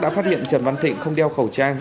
đã phát hiện trần văn thịnh không đeo khẩu trang